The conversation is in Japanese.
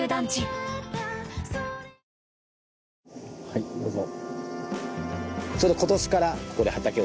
はいどうぞ。